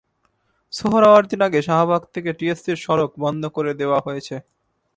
সোহরাওয়ার্দীর আগে শাহবাগ থেকে টিএসসির সড়ক বন্ধ করে দেওয়া হয়েছে।